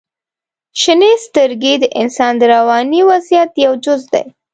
• شنې سترګې د انسان د رواني وضعیت یو جز دی.